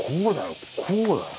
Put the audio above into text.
こうだよ。